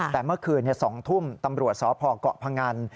แต่เมื่อคืน๒ทุ่มตำรวจสพเกาะพงัน